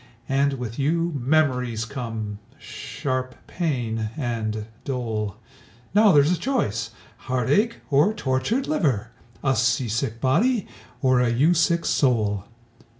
And with you memories come, sharp pain, and dole. Now there's a choice heartache or tortured liver! A sea sick body, or a you sick soul!